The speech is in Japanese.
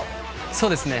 そうですね。